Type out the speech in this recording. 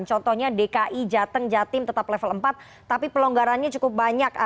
contohnya dki jateng jatim tetap level empat tapi pelonggarannya cukup banyak